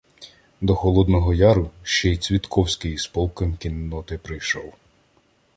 До Холодного Яру ще й Цвітковський із полком кінноти прийшов.